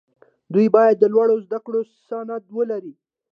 دوی باید د لوړو زدکړو سند ولري.